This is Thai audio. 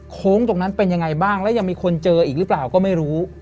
โค้งตรงนั้นเป็นยังไงบ้างแล้วยังมีคนเจออีกหรือเปล่าก็ไม่รู้